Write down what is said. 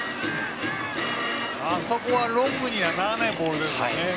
あそこはロングにはならないボールですね。